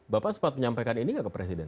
bapak sempat menyampaikan ini nggak ke presiden